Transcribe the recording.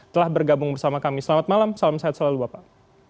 telah bergabung bersama kami selamat malam salam sehat selalu bapak